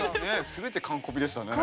全て完コピでしたね。